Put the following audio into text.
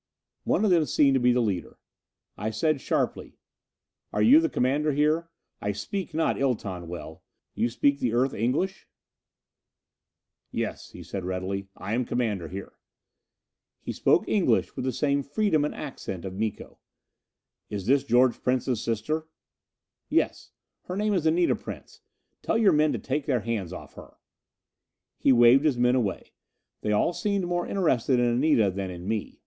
One of them seemed the leader. I said sharply, "Are you the commander here? I speak not Ilton well. You speak the Earth English?" [Footnote 4: Ilton, the ruling race and official language of the Martian Union.] "Yes," he said readily, "I am Commander here." He spoke English with the same freedom and accent of Miko. "Is this George Prince's sister?" "Yes. Her name is Anita Prince. Tell your men to take their hands off her." He waved his men away. They all seemed more interested in Anita than in me.